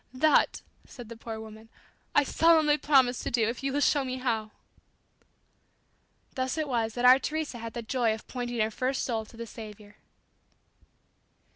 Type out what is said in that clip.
"That," said the poor woman, "I solemnly promise to do if you will show me how." Thus it was that our Teresa had the joy of pointing her first soul to the Saviour.